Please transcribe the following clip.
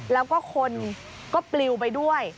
แล้วก็คนก็ปลิวไปด้วย